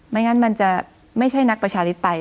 ไม่งั้นมันจะไม่ใช่นักประชาธิปไตย